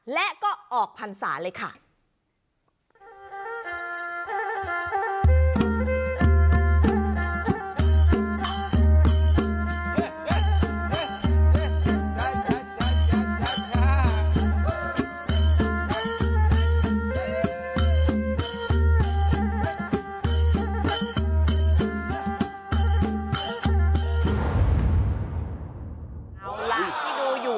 และก็ออกภันษาเลย